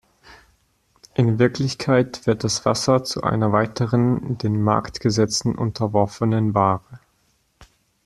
In Wirklichkeit wird das Wasser zu einer weiteren den Marktgesetzen unterworfenen Ware.